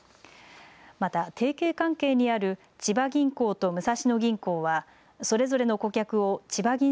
また提携関係にある千葉銀行と武蔵野銀行はそれぞれの顧客をちばぎん